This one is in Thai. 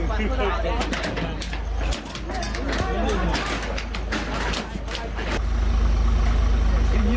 ของเล็กเล็กเล็ก